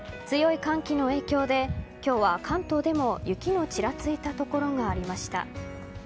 強い寒気の影響で今日は関東でも雪のちらついた所がありました。